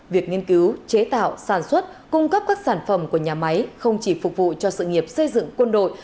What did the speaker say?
việc nghiên cứu chế tạo sản xuất cung cấp các sản phẩm của nhà máy không chỉ phục vụ cho sự nghiệp xây dựng quân đội